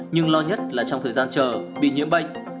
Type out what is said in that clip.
nhưng lo nhất là trong thời gian chờ bị nhiễm bệnh